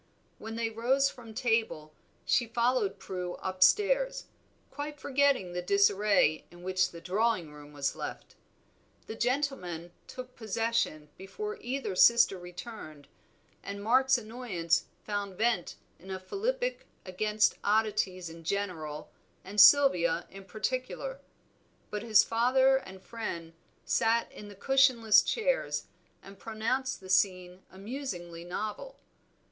When they rose from table she followed Prue up stairs, quite forgetting the disarray in which the drawing room was left. The gentlemen took possession before either sister returned, and Mark's annoyance found vent in a philippic against oddities in general and Sylvia in particular; but his father and friend sat in the cushionless chairs, and pronounced the scene amusingly novel.